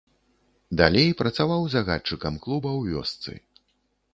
Далей працаваў загадчыкам клуба ў вёсцы.